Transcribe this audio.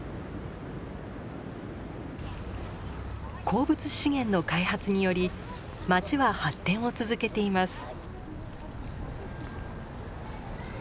鉱物資源の開発により町は発展を続けています。